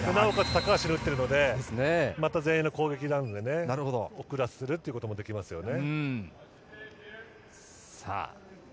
高橋が打ってるのでまた前衛の攻撃なので遅らせるということもできますよね。